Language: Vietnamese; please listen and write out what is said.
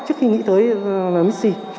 trước khi nghĩ tới mis c